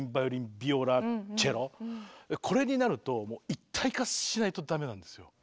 これになるともう一体化しないと駄目なんですよ。